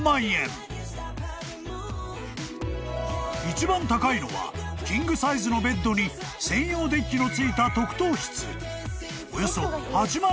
［一番高いのはキングサイズのベッドに専用デッキのついた］